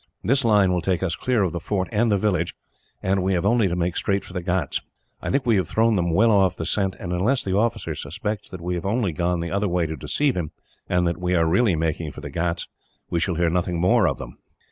"This line will take us clear of the fort and village, and we have only to make straight for the ghauts. I think we have thrown them well off the scent, and unless the officer suspects that we have only gone the other way to deceive him, and that we are really making for the ghauts, we shall hear nothing more of them."